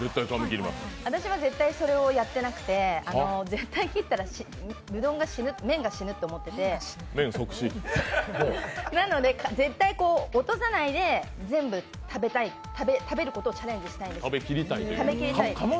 私は絶対それをやってなくて絶対切ったら、うどんが死ぬ麺が死ぬと思ってて、なので絶対落とさないで全部食べたい、食べることにチャレンジしたいんです。